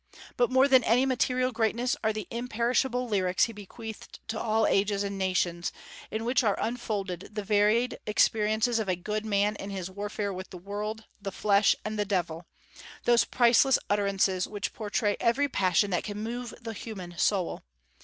But more than any material greatness are the imperishable lyrics he bequeathed to all ages and nations, in which are unfolded the varied experiences of a good man in his warfare with the world, the flesh, and the devil, those priceless utterances which portray every passion that can move the human soul.